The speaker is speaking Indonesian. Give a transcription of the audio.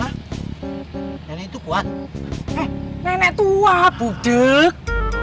eh nenek tua budek